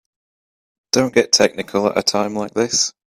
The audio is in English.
Don't get technical at a time like this.